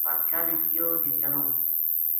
بادشاہ نے کہیو جی چلوں